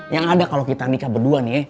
yang ada kalo kita nikah berdua nih ya